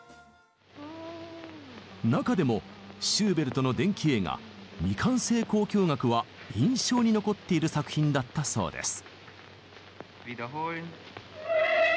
中でもシューベルトの伝記映画「未完成交響楽」は印象に残っている作品だったそうです。